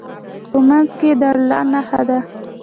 په منځ کې یې د الله نښه ده.